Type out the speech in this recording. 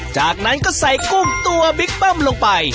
จากนั้นก็ใส่กุ้งตัวบิ๊กเบิ้มลงไป